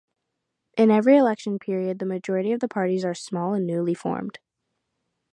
In every election period the majority of the parties are small and newly formed.